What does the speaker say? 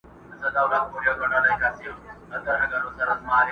که مېرويس دی، که اکبر، که مسجدي دی٫